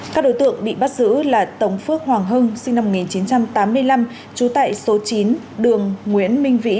các đối tượng bị bắt giữ là tống phước hoàng hưng sinh năm một nghìn chín trăm tám mươi năm trú tại số chín đường nguyễn minh vĩ